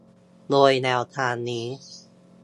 โดยแนวทางนี้